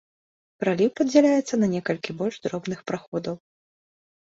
Праліў падзяляецца на некалькі больш дробных праходаў.